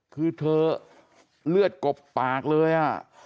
คือเธอเลือดกบปากเลย